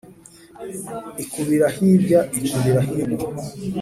Ikubira hirya ikubira hino,